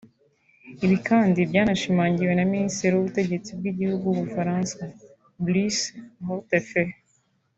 Ibi kandi byanashimangiwe na minisitiri w’ubutegetsi bw’igihugu w’u Bufaransa Brice Hortefeux